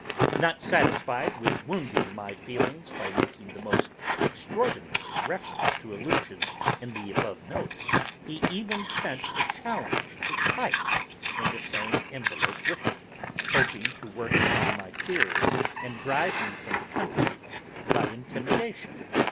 Not satisfied with wounding my feelings by making the most extraordinary reference to allusions in the above note, he even sent a challenge to fight, in the same envelop with it, hoping to work upon my fears and drive me from the country by intimidation.